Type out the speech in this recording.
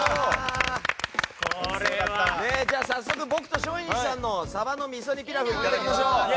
早速、僕と松陰寺さんの鯖の味噌煮ピラフいただきましょう。